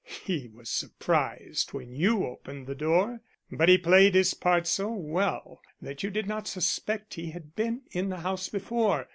He was surprised when you opened the door, but he played his part so well that you did not suspect he had been in the house before.